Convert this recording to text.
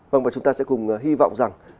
vâng và chúng ta sẽ cùng hy vọng rằng